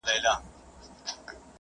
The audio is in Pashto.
هغه د خپل هېواد دفاع کوله.